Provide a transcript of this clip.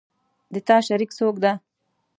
د تا شریک څوک ده